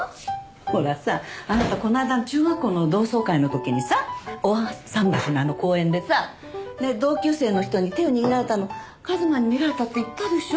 ほらさあなたこの間の中学校の同窓会の時にさ大さん橋のあの公園でさ同級生の人に手を握られたの一馬に見られたって言ったでしょ？